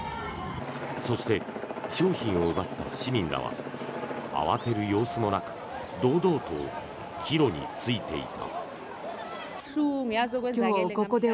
そして、商品を奪った市民らは慌てる様子もなく堂々と帰路に就いていた。